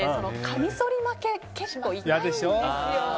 カミソリ負けが結構痛いんですよ。